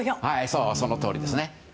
そう、そのとおりですね。